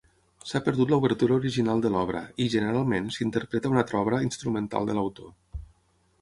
S'ha perdut l'obertura original de l'obra i, generalment, s'interpreta una altra obra instrumental de l'autor.